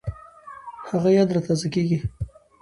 هغه یاد را تازه کېږي